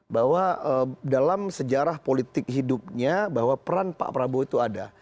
bahwa dalam sejarah politik hidupnya bahwa peran pak prabowo itu ada